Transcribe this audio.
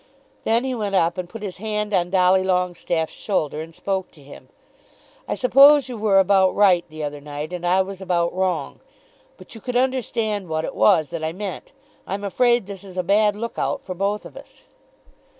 Then he went up and put his hand on Dolly Longestaffe's shoulder, and spoke to him. "I suppose you were about right the other night and I was about wrong; but you could understand what it was that I meant. I'm afraid this is a bad look out for both of us."